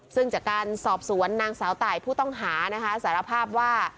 ซึ่งจากการสอบสวนนางสาวตายผู้ต้องหานะคะสารภาพว่า